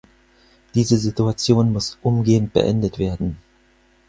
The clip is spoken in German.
Diese Situation muss umgehend beendet werden.